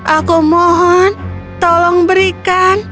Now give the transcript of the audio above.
aku mohon tolong berikan